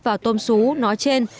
vào tôm xú nói trên